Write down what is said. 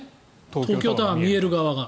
東京タワー見える側が。